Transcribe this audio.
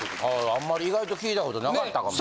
あんまり意外と聞いたことなかったかも。